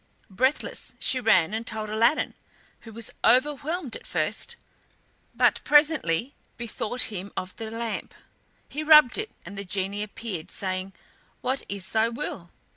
Breathless she ran and told Aladdin, who was overwhelmed at first, but presently bethought him of the lamp. He rubbed it and the genie appeared, saying: "What is thy will?"